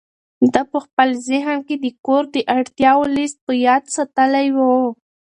ده په خپل ذهن کې د کور د اړتیاوو لست په یاد ساتلی و.